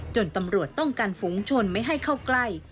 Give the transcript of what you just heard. ตำรวจต้องการฝูงชนไม่ให้เข้าใกล้